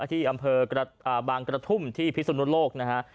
ที่อำเภอกระดาษบางกระทุ่มที่พิศนโลกนะฮะ